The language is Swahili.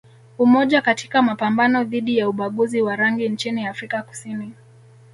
Umoja katika mapambano dhidi ya ubaguzi wa rangi nchini Afrika Kusini